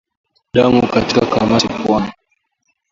Damu katika kamasi puani